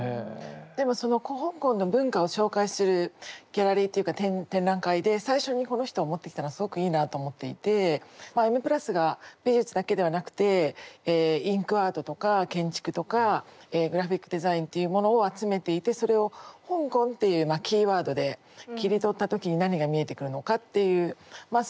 でもその香港の文化を紹介するギャラリーっていうか展覧会で最初にこの人を持ってきたのはすごくいいなあと思っていてまあ「Ｍ＋」が美術だけではなくてインクアートとか建築とかグラフィックデザインっていうものを集めていてそれを「香港」っていうキーワードで切り取った時に何が見えてくるのかっていうまあ